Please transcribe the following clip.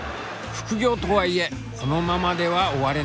副業とはいえこのままでは終われない。